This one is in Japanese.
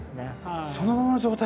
そのままの状態。